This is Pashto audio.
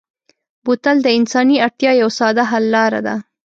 بوتل د انساني اړتیا یوه ساده حل لاره ده.